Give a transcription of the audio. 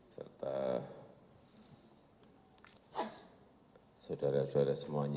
serta saudara saudara semuanya